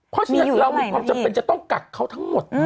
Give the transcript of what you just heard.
เพราะฉะนั้นเรามีความจำเป็นจะต้องกักเขาทั้งหมด